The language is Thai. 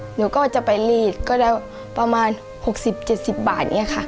หนูจะไปรีดก็ได้ประมาณ๖๐๗๐บาท